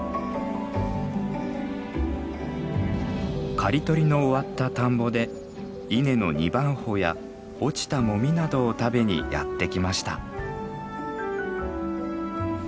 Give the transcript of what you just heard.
刈り取りの終わった田んぼで稲の二番穂や落ちたもみなどを食べにやって来ました。